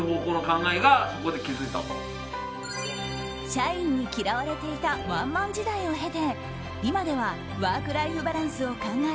社員に嫌われていたワンマン時代を経て今ではワークライフバランスを考え